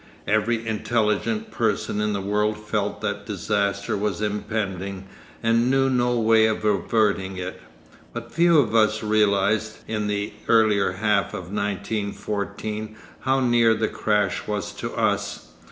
Every intelligent person in the world felt that disaster was impending and knew no way of averting it, but few of us realised in the earlier half of 1914 how near the crash was to us.